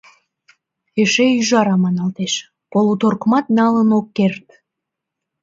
Эше «Ӱжара» маналтеш — полуторкымат налын ок керт!